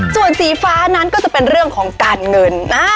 ส่วนสีฟ้านั้นก็จะเป็นเรื่องของการเงิน